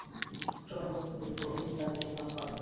সবাই নিরব থাকল, কিন্তু ঐ লোকটি দাঁড়িয়ে বলল, আমি পারব।